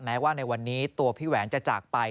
แม้ว่าในวันนี้ตัวพี่แหวนจะจากไป